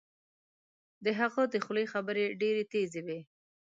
د هغه د خولې خبرې ډیرې تېزې وې